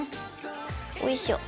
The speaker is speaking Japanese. おいしょ。